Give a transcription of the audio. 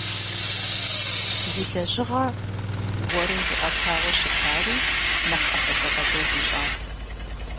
И лэжьыгъэ уэру зызыӏэтауэ щытари нэхъ ӏэпэдэгъэлэл ищӏат.